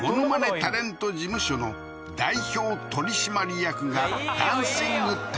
タレント事務所の代表取締役がダンシング☆谷村